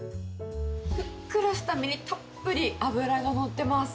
ふっくらした身に、たっぷり脂が乗ってます。